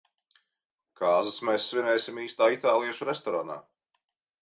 Kāzas mēs svinēsim īstā itāliešu restorānā.